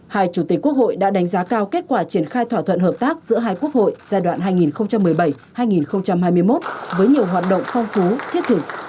hai chủ tịch quốc hội đã đánh giá cao kết quả triển khai thỏa thuận hợp tác giữa hai quốc hội giai đoạn hai nghìn một mươi bảy hai nghìn hai mươi một với nhiều hoạt động phong phú thiết thực